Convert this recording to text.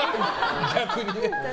逆にね。